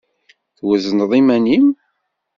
Twezneḍ iman-im?